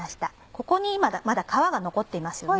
ここにまだ皮が残っていますよね。